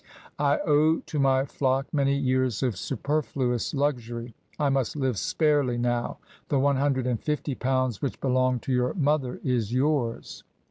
I owe to my flock many years of superfluous luxury. I must live sparely now. The one hundred and fifty pounds which belonged to your mother is yours."